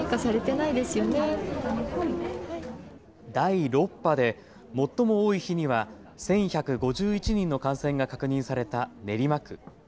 第６波で最も多い日には１１５１人の感染が確認された練馬区。